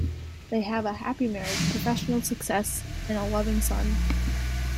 They have a happy marriage, professional success and a loving son.